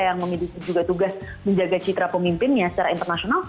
yang juga memiliki tugas menjaga citra pemimpinnya secara internasional